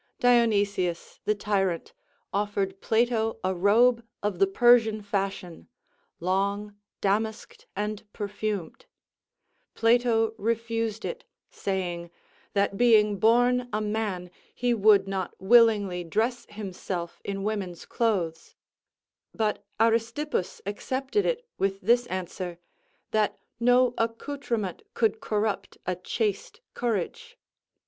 Dionysius, the tyrant, offered Plato a robe of the Persian fashion, long, damasked, and perfumed; Plato refused it, saying, "That being born a man, he would not willingly dress himself in women's clothes;" but Aristippus accepted it with this answer, "That no accoutrement could corrupt a chaste courage."